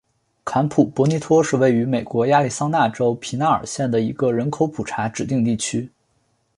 坎普博尼托是位于美国亚利桑那州皮纳尔县的一个人口普查指定地区。